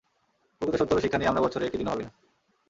প্রকৃত সত্য হলো শিক্ষা নিয়ে আমরা বছরে একটি দিনও ভাবি না।